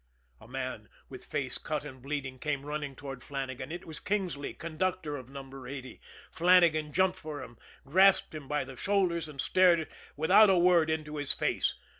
A man, with face cut and bleeding, came running toward Flannagan. It was Kingsley, conductor of Number Eighty. Flannagan jumped for him, grasped him by the shoulders and stared without a word into his face.